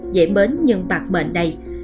dễ bến nhưng bạc mệnh này